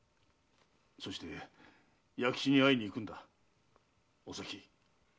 そして弥吉に会いに行くんだお咲。